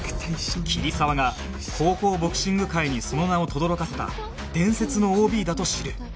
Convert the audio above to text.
桐沢が高校ボクシング界にその名をとどろかせた伝説の ＯＢ だと知る